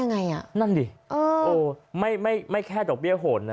นั่นดิไม่แค่ดอกเบี้ยโหดเนาะ